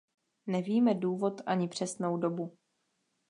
Nevíme důvod ani přesnou dobu.